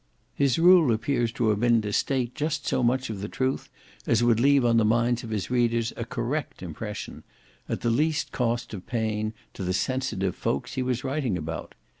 His rule appears to have been to state just so much of the truth as would leave on the minds of his readers a correct impression, at the least cost of pain to the sensitive folks he was writing about.